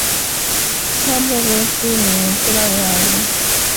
Nga bo beesibye mu nkula yaabwe.